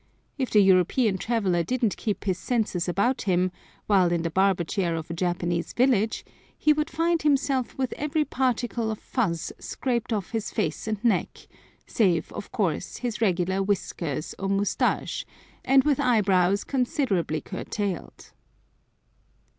If the European traveller didn't keep his senses about him, while in the barber chair of a Japanese village, he would find himself with every particle of fuzz scraped off his face and neck, save, of course, his regular whiskers or mustache, and with eye brows considerably curtailed.